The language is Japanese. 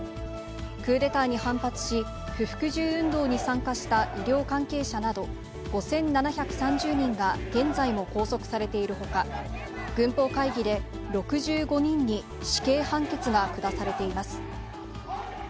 クーデターに反発し、不服従運動に参加した医療関係者など５７３０人が現在も拘束されているほか、軍法会議で６５人に死刑判決が下されています。